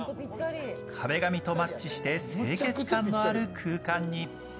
壁紙とマッチして清潔感のある空間に。